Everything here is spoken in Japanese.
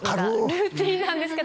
ルーティンなんですけど。